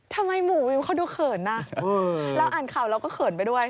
ทำไมหมู่วิวเขาดูเขินนะเราอ่านข่าวเราก็เขินไปด้วย